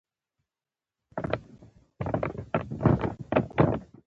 بلې وسيلې تر دې وړاندې ناهيلی کړی و.